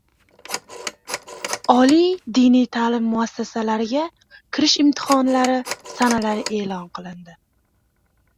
Oliy diniy ta’lim muassasalariga kirish imtihoni sanalari e’lon qilindi